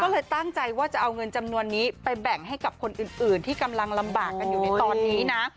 ก็เลยตั้งใจว่าจะเอาเงินจำนวนนี้ไปแบ่งให้กับคนอื่นที่กำลังลำบากกันอยู่ในตอนนี้นะ